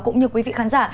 cũng như quý vị khán giả